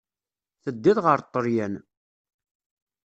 Teddiḍ ɣer Ṭṭalyan.